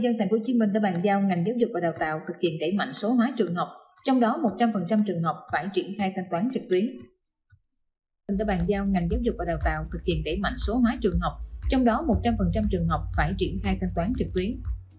chương trình đã bàn giao ngành giáo dục và đào tạo thực hiện đẩy mạnh số hóa trường học trong đó một trăm linh trường học phải triển khai thanh toán trực tuyến